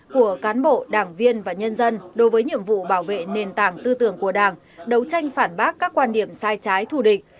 của cán bộ đảng viên và nhân dân đối với nhiệm vụ bảo vệ nền tảng tư tưởng của đảng đấu tranh phản bác các quan điểm sai trái thù địch